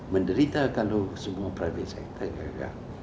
menderita kalau semua sektor pribadi gagal